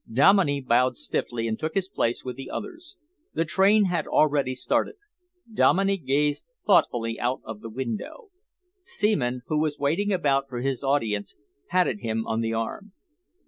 Dominey bowed stiffly and took his place with the others. The train had already started. Dominey gazed thoughtfully out of the window. Seaman, who was waiting about for his audience, patted him on the arm.